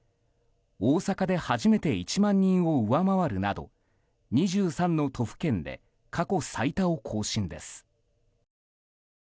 大阪で初めて１万人を上回るなど２３の都府県で過去最多を更新です。